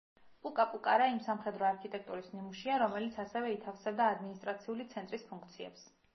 პუკა-პუკარა იმ სამხედრო არქიტექტურის ნიმუშია, რომელიც ასევე ითავსებდა ადმინისტრაციული ცენტრის ფუნქციებს.